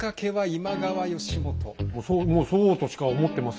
もうそうとしか思ってません。